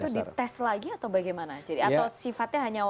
tes lagi atau bagaimana